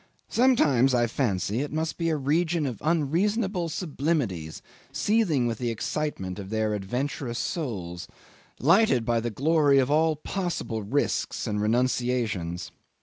Sometimes I fancy it must be a region of unreasonable sublimities seething with the excitement of their adventurous souls, lighted by the glory of all possible risks and renunciations.